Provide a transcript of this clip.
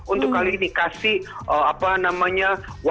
untuk kali ini dikasih apa namanya